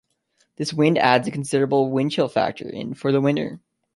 The winds add a considerable wind chill factor in the winter.